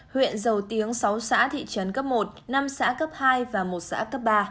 huyện dầu tiếng sáu xã thị trấn cấp một năm xã cấp hai và một xã cấp ba